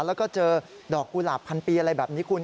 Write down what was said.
แล้วก็เจอดอกกุหลาบพันปีอะไรแบบนี้คุณ